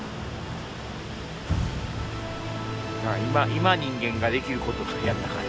今人間ができることはやったかな。